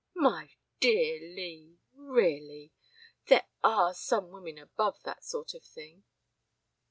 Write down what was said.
"My dear Lee! Really! There are some women above that sort of thing."